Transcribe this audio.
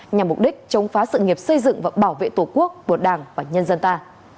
nhằm mục đích chống phá sự nghiệp xây dựng và bảo vệ tổ quốc của đảng và nhân dân ta